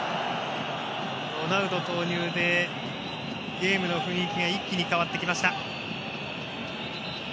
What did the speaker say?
ロナウド投入でゲームの雰囲気が一気に変わってきました。